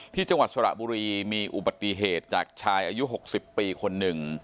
ที่จังหวัดสระบุรีมีอุปสริกจากชายอายุหกสิบปีคนหนึ่ง